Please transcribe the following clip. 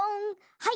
はい！